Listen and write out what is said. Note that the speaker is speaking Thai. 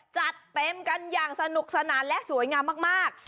จัดเต็มกันอย่างสนุกสนานและสวยงามมาก